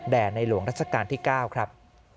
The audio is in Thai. ในหลวงรัชกาลที่๙ครับ